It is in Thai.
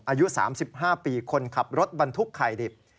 อายุ๓๕ปีคนขับรถบรรทุกไข่ดิบ